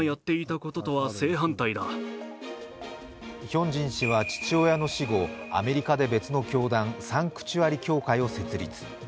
ヒョンジン氏は父親の死後、アメリカで別の教壇サンクチュアリ教会を設立。